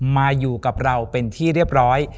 มาอยู่กับเราเป็นที่เรียบร้อย